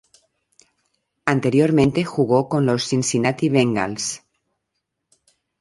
Anteriormente jugó con los Cincinnati Bengals.